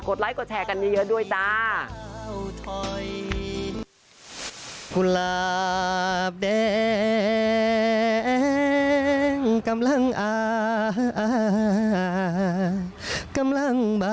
ไลค์กดแชร์กันเยอะด้วยจ้า